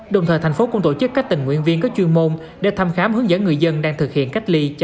đồng thời tp hcm cũng tổ chức các tình nguyên viên có chuyên môn để thăm khám hướng dẫn người dân đang thực hiện cách ly chăm lo sức khỏe